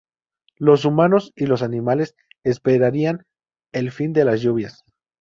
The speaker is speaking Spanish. Los humanos y los animales esperarían el fin de las lluvias.